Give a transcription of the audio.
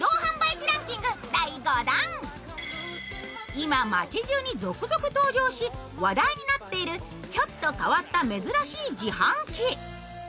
今、街じゅうに続々登場し、話題になっているちょっと変わった珍しい自販機。